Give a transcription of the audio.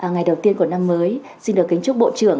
ngày đầu tiên của năm mới xin được kính chúc bộ trưởng